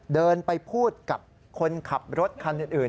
เดินไปพูดกับคนขับรถคันอื่น